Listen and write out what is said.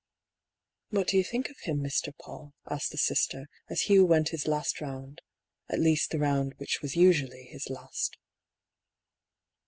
" What do you think of him, Mr. Paull ?" asked the Sister, as Hugh went his last round — at least the round which was usually his last.